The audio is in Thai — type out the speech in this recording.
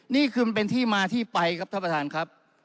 นี่คือมันเป็นที่มาที่ไปครับท่านประธานครับ